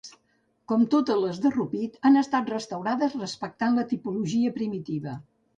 Com totes les de Rupit han estat restaurades respectant la tipologia primitiva.